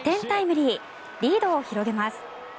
リードを広げます。